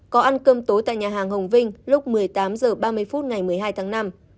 có ăn cơm tối tại nhà hàng hồng vinh lúc một mươi tám h ba mươi phút ngày một mươi hai tháng năm